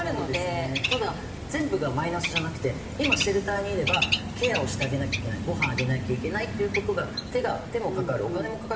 ただ全部がマイナスじゃなくて今シェルターにいればケアをしてあげなきゃいけないごはんあげなきゃいけないっていう事が手もかかるお金もかかるけど。